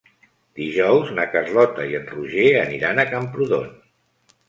Dijous na Carlota i en Roger aniran a Camprodon.